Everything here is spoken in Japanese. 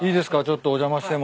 ちょっとお邪魔しても。